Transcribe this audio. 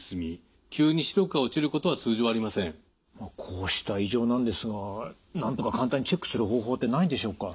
こうした異常なんですがなんとか簡単にチェックする方法ってないんでしょうか？